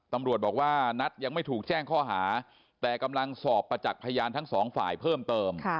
ตำรวจบอกว่านัทยังไม่ถูกแจ้งข้อหาแต่กำลังสอบประจักษ์พยานทั้งสองฝ่ายเพิ่มเติม